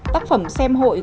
tác phẩm xem hội